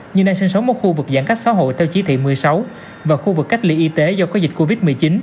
như nay sinh sống một khu vực giãn cách xã hội theo chí thị một mươi sáu và khu vực cách ly y tế do có dịch covid một mươi chín